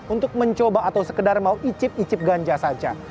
untuk mencoba atau sekedar mau icip icip ganja saja